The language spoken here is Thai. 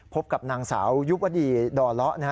พบกับนางสาวยุบวัตดีด่อเลาะนะฮะ